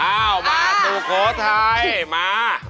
อ้าวมาสุโขทัยมา